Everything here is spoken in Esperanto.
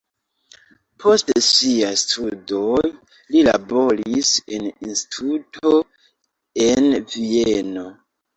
Post siaj studoj li laboris en instituto en Vieno.